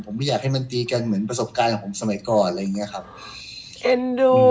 ผมไม่อยากให้มันตีกันเหมือนประสบการณ์ของผมสมัยก่อน